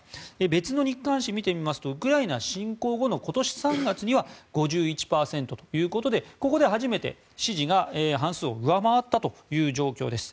別の日刊紙を見てみますとウクライナ侵攻後の今年３月には５１％ということでここで初めて支持が半数を上回ったという状況です。